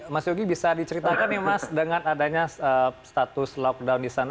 mas yogi bisa diceritakan ya mas dengan adanya status lockdown di sana